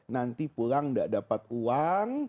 nanti pulang tidak dapat uang